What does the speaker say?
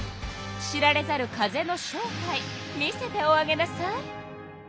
知られざる風の正体見せておあげなさい。